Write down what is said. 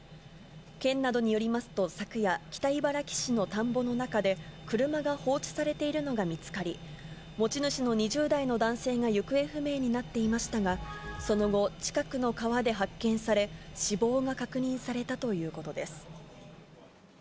県などによりますと昨夜、北茨城市の田んぼの中で車が放置されているのが見つかり、持ち主の２０代の男性が行方不明になっていましたが、その後、近くの川で発見され、死亡が確認されたということです。